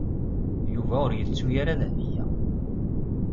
Yuba ur yettu ara Dahbiya.